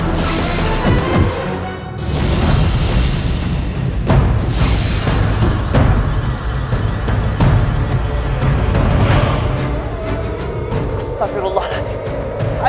apa yang sedang dia lakukan